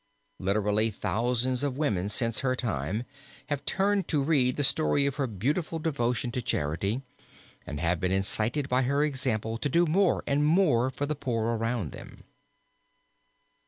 Literally thousands of women since her time have turned to read the story of her beautiful devotion to charity, and have been incited by her example to do more and more for the poor around them.